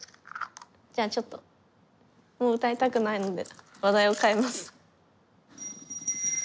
じゃあちょっともう歌いたくないので話題を変えます。